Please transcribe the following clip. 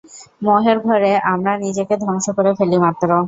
মোহের ঘোরে আমরা নিজেকে ধ্বংস করে ফেলি মাত্র।